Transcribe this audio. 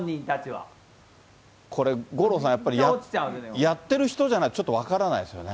これ、五郎さん、やってる人じゃないとちょっと分からないですよね。